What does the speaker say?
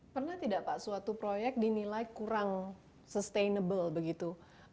pernah tidak pak suatu proyek dinilai kurang sustainable begitu